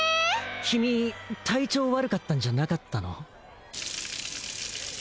君体調悪かったんじゃなかったの？